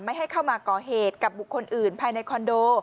ให้เข้ามาก่อเหตุกับบุคคลอื่นภายในคอนโด